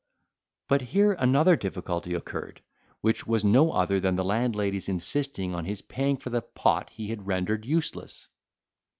But here another difficulty occurred, which was no other than the landlady's insisting on his paying for the pot he had rendered useless.